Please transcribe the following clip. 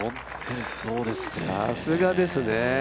さすがですね。